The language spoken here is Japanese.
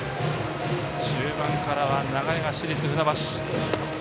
中盤からは流れが市立船橋。